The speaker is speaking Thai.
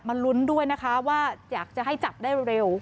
ลุ้นด้วยนะคะว่าอยากจะให้จับได้เร็ว